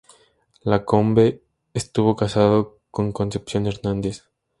Lacombe estuvo casado con Concepción Hernández.